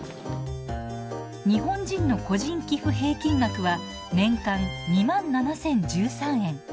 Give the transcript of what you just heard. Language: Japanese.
日本人の個人寄付平均額は年間２７，０１３円。